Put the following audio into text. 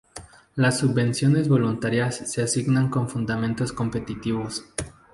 Las subvenciones voluntarias se asignan con fundamentos competitivos".